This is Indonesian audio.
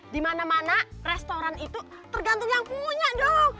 di mana mana restoran itu tergantung yang punya dong